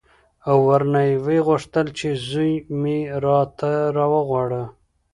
او ورنه ویې غوښتل چې زوی مې راته راوغواړه.